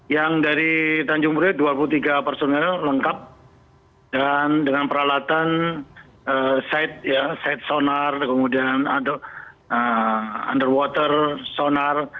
yang dari tanjung priok dua puluh tiga personel lengkap dan dengan peralatan side sonar kemudian ada underwater sonar